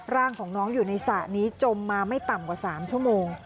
ร่างของน้องอยู่ในสระนี้จมมาไม่ต่ำกว่า๓ชั่วโมง